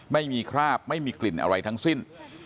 ไม่มีคราบไม่มีกลิ่นอะไรทั้งสิ้น